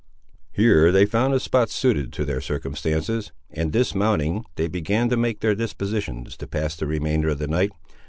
Here they found a spot suited to their circumstances, and, dismounting, they began to make their dispositions to pass the remainder of the night.